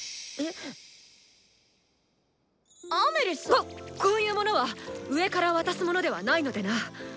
こっこういうものはっ「上から」渡すものではないのでな！